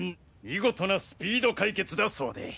見事なスピード解決だそうで！